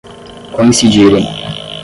coincidirem